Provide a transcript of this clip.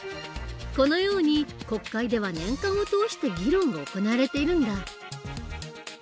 このように国会では年間を通して議論が行われているんだ。